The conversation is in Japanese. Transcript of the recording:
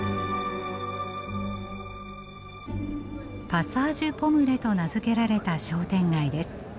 パサージュ・ポムレと名付けられた商店街です。